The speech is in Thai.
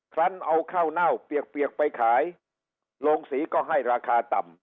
คันเอาข้าวเน่าเปียกเปียกไปขายโรงสีก็ให้ราคาต่ำ